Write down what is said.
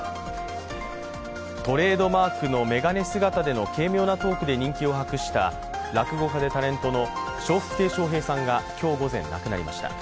トレードマークの眼鏡姿での軽妙なトークで人気を博した落語家でタレントの笑福亭鶴瓶さんが今日午前、亡くなりました。